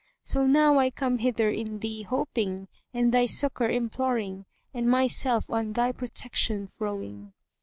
So now I come hither in thee hoping and thy succour imploring and myself on thy protection throwing."